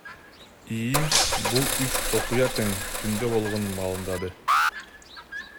ИИМ бул үч окуя тең түндө болгонун маалымдады.